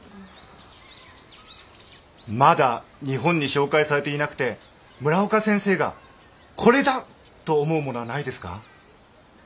まだ日本に紹介されていなくて村岡先生が「これだ！」と思うものはないですか？